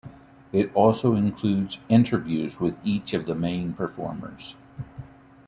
It also includes interviews with each of the main performers.